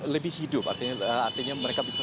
lebih hidup artinya mereka bisa